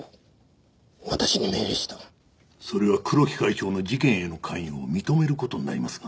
それは黒木会長の事件への関与を認める事になりますが。